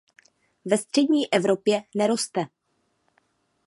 Ve střední Evropě neroste.